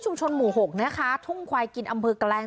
ชุมชนหมู่หกนะคะทุ่งควายกินอำเภอกแกรง